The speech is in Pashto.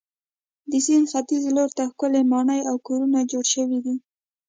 د سیند ختیځ لور ته ښکلې ماڼۍ او کورونه جوړ شوي دي.